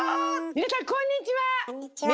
皆さんこんにちは！